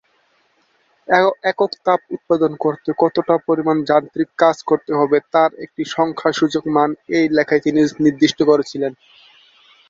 একক তাপ উৎপাদন করতে কতটা পরিমাণে যান্ত্রিক কাজ করতে হবে, তার একটি সংখ্যাসূচক মান, এই লেখায় তিনি নির্দিষ্ট করেছিলেন।